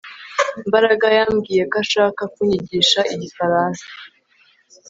Mbaraga yambwiye ko ashaka kunyigisha igifaransa